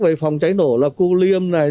về phòng cháy nổ là cu liêm này